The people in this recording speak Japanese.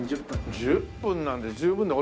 １０分なんて十分だよ。